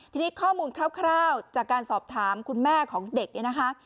ทีนี้ข้อมูลคร่าวจากการสอบถามคุณแม่ของเด็กเนี่ยนะคะ